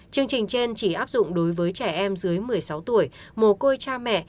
chương trình trên chỉ áp dụng đối với trẻ em dưới một mươi sáu tuổi mồ côi cha mẹ